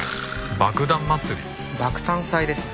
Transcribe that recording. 爆誕祭ですね。